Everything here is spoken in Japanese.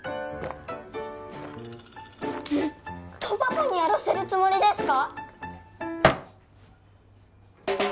ずっとパパにやらせるつもりですか？